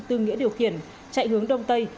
tương nghĩa điều khiển chạy hướng đông tây